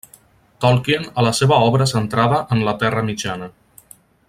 Tolkien a la seva obra centrada en la Terra Mitjana.